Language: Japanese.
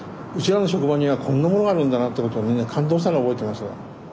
らの職場にはこんなものがあるんだなってことをみんな感動したのを覚えてます。